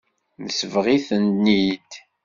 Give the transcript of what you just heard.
Nesbeɣ-iten-id.